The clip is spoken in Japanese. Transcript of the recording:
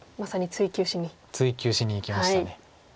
「追求」しにいきました。